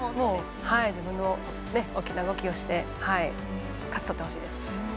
自分の大きな動きをして勝ち取ってほしいです。